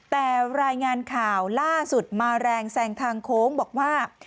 แต่รายงานข่าวล่าสุดมาแรงแซงทางโค้งบอกว่า